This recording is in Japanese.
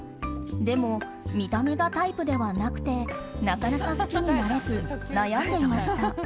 でも、見た目がタイプではなくてなかなか好きになれず悩んでいました。